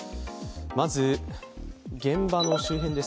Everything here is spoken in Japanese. まず、現場の周辺です。